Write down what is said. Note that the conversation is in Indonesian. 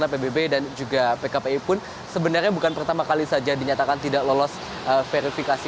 pbb dan juga pkpi pun sebenarnya bukan pertama kali saja dinyatakan tidak lolos verifikasi